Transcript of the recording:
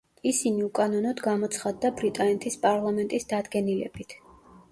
ისინი უკანონოდ გამოცხადდა ბრიტანეთის პარლამენტის დადგენილებით.